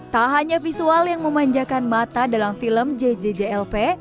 tak hanya visual yang memanjakan mata dalam film jjjlp